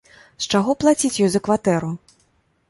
З чаго плаціць ёй за кватэру.